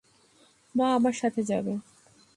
মা আমার সাথে যাবে।